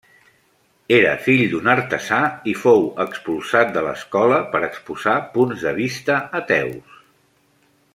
Era fill d'un artesà, i fou expulsat de l'escola per exposar punts de vista ateus.